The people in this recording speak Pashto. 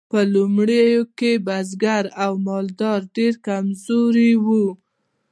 په لومړیو کې بزګري او مالداري ډیرې کمزورې وې.